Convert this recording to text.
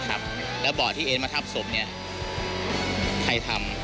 ครับแล้วเบาะที่เอ็นมาทับศพเนี่ยใครทำ